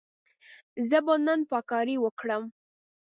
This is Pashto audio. زه به نن پاککاري وکړم.